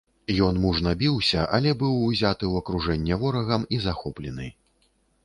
Ён мужна біўся, але быў узяты ў акружэнне ворагам і захоплены.